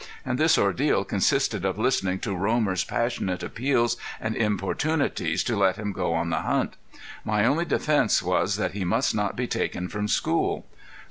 And this ordeal consisted of listening to Romer's passionate appeals and importunities to let him go on the hunt. My only defence was that he must not be taken from school.